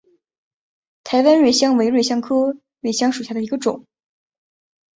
台湾瑞香为瑞香科瑞香属下的一个种。